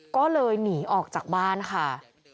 ก็เลยหนีออกจากบ้านค่ะ